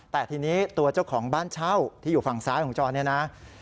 แต่ทีนี้ตัวเจ้าของบ้านเช่าที่อยู่ฝั่งซ้ายของจรเนี่ยนะ